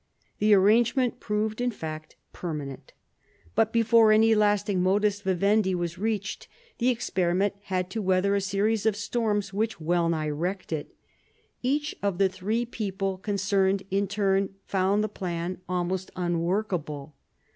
The arrangement proved in fact permanent. But before any lasting modus vivendi was reached, the experiment had to weather a series of storms which well nigh wrecked it. Each of the three people con cerned in turn found the plan almost unworkable.